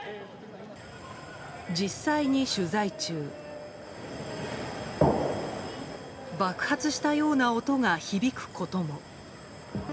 実際に取材中爆発したような音が響くことも。